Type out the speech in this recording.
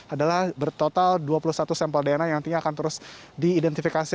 adalah bertotal dua puluh satu sampel dna yang nantinya akan terus diidentifikasi